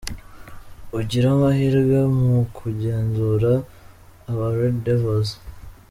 Ugire amahirwe mu kugenzura aba Red Devils.